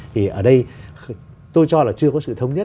thì ở đây tôi cho là chưa có sự thống nhất